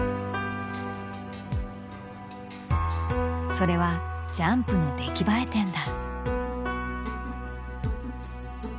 それはジャンプの出来栄え点だ。